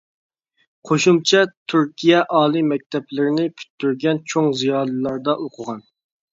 قوشۇمچە تۈركىيە ئالىي مەكتەپلىرىنى پۈتتۈرگەن چوڭ زىيالىيلاردا ئوقۇغان.